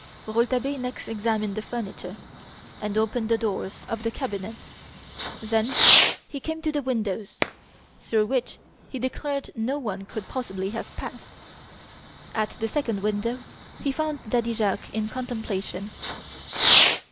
Rouletabille next examined the furniture and opened the doors of the cabinet. Then he came to the windows, through which he declared no one could possibly have passed. At the second window he found Daddy Jacques in contemplation.